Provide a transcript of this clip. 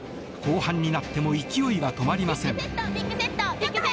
後半になっても勢いは止まりません。